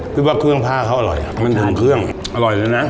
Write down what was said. ที่ว่าเครื่องผ้าเขาอร่อยมันถึงเครื่องอร่อยเลยนะ